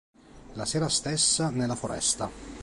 La sera stessa, nella foresta.